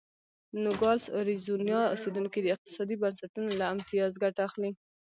نوګالس اریزونا اوسېدونکي د اقتصادي بنسټونو له امتیاز ګټه اخلي.